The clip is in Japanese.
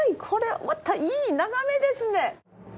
これまたいい眺めですね。